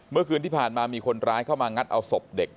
เมื่อคืนที่ผ่านมามีคนร้ายเข้ามางัดเอาศพเด็ก